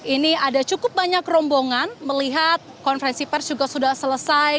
ini ada cukup banyak rombongan melihat konferensi pers juga sudah selesai